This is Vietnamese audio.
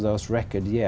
đẹp của tôi